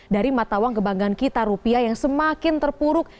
dari matawang kebanggaan kita rupiah yang semakin terpuruk